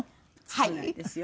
そうなんですよ。